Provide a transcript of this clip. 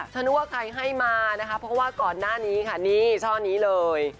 นึกว่าใครให้มานะคะเพราะว่าก่อนหน้านี้ค่ะนี่ช่อนี้เลย